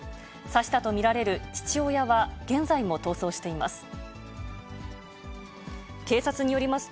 刺したと見られる父親は、現在も逃走しています。